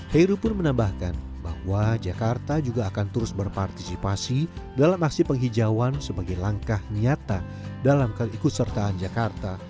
heru pun menambahkan bahwa jakarta juga akan terus berpartisipasi dalam aksi penghijauan sebagai langkah nyata dalam keikutsertaan jakarta